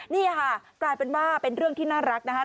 นี่ค่ะกลายเป็นว่าเป็นเรื่องที่น่ารักนะคะ